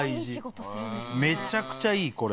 めちゃくちゃいいこれ。